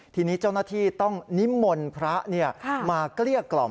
ทีนี้เจ้าหน้าที่ต้องนิมนต์พระมาเกลี้ยกล่อม